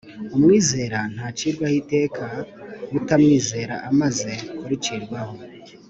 Umwizera ntacirwaho iteka; utamwizera amaze kuricirwaho,